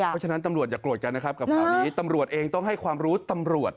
เพราะฉะนั้นตำรวจอย่าโกรธกันนะครับกับข่าวนี้ตำรวจเองต้องให้ความรู้ตำรวจ